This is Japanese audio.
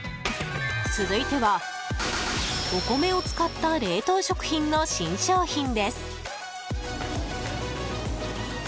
続いては、お米を使った冷凍食品の新商品です。